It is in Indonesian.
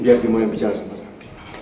biar bimu yang bicara sama sipa